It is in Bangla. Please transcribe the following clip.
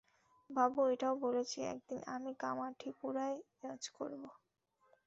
বাবু এটাও বলেছে একদিন আমি কামাঠিপুরায় রাজ করবো।